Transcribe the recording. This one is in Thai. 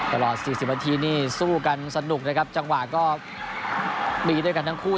ตลอด๔๐นาทีนี่สู้กันสนุกนะครับจังหวะก็มีด้วยกันทั้งคู่